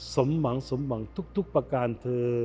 สมหวังสมหวังทุกประการเธอ